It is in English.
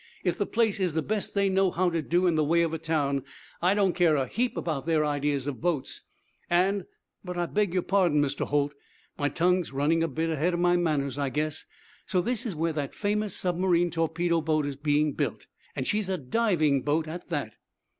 "If the place is the best they know how to do in the way of a town, I don't care a heap about their ideas of boats. And but I beg your pardon, Mr. Holt. My tongue's running a bit ahead of my manners, I guess. So this is where that famous submarine torpedo boat is being built? And she's a diving boat, at that?"